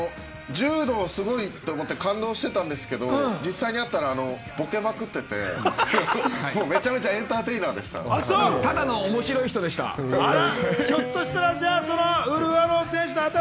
柔道すごいと思って感動してたんですけど、実際に会ったらボケまくってて、めちゃめちゃエンただの面白い人でした。